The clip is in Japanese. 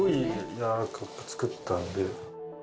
柔らかく作ったんで。